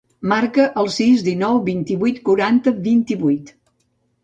Marca el sis, dinou, vint-i-vuit, quaranta, vint-i-vuit.